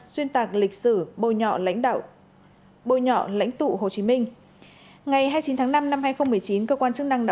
xuyên tạc lịch sử bôi nhọ lãnh tụ hồ chí minh ngày hai mươi chín tháng năm năm hai nghìn một mươi chín cơ quan chức năng đã